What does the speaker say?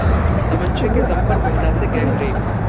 तमंचे के दम पर महिला से गैंगरेप